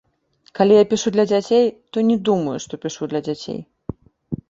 Калі я пішу для дзяцей, то не думаю, што пішу для дзяцей.